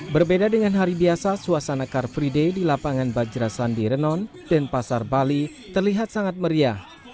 berbeda dengan hari biasa suasana car free day di lapangan bajra sandi renon dan pasar bali terlihat sangat meriah